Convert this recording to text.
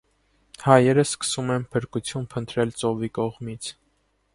Հայերը սկսում են փրկություն փնտրել ծովի կողմից։